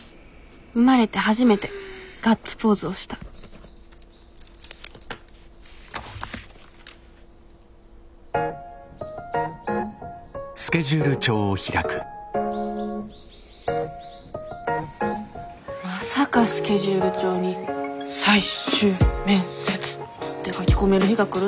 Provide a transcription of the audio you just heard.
生まれて初めてガッツポーズをしたまさかスケジュール帳に「最終面接」って書き込める日が来るなんてさ